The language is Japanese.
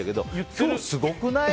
今日すごくない？